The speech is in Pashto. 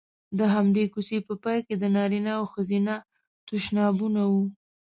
د همدې کوڅې په پای کې د نارینه او ښځینه تشنابونه وو.